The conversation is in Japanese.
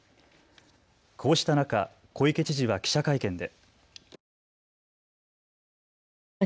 こうした中、小池知事は記者会見で。